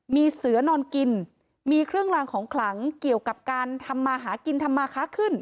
มีเสือนอนกินมีเครื่องลางของขลังเกี่ยวกับการทำมาหากินทำมาค้าขึ้น